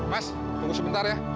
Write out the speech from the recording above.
mas tunggu sebentar ya